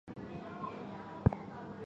斯巴达克斯是一名色雷斯角斗士。